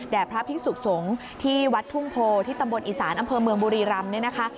พระภิกษุสงฆ์ที่วัดทุ่งโพที่ตำบลอีสานอำเภอเมืองบุรีรำเนี่ยนะคะ